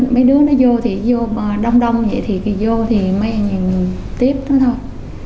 mấy đứa nó vô thì vô đông đông vậy vô thì mấy người tiếp thôi thôi